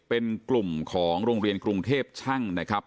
เป็นกลุ่มของโรงเรียนกรุงเทพช่างนะครับ